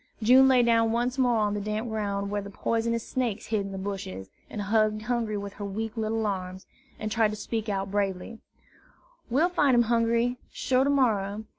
June lay down once more on the damp ground where the poisonous snakes hid in the bushes, and hugged Hungry with her weak little arms, and tried to speak out bravely: "We'll fine him, Hungry, sure, to morrer.